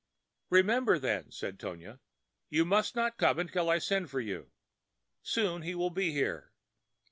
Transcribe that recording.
"Remember, then," said Tonia, "you must not come again until I send for you. Soon he will be here.